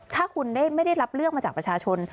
ถ้าคุณไม่ได้รับเลือกมาจากประชาชน